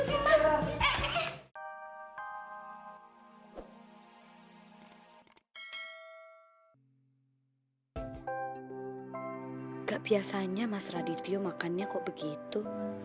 enggak biasanya mas raditya makannya kok begitu